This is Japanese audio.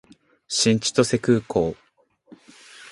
新千歳空港